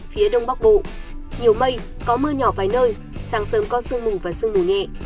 phía đông bắc bộ nhiều mây có mưa nhỏ vài nơi sáng sớm có sương mù và sương mù nhẹ